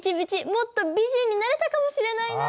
もっと美人になれたかもしれないな！